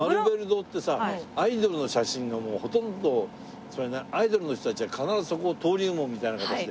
マルベル堂ってさアイドルの写真がほとんどアイドルの人たちが必ずそこを登竜門みたいな形で。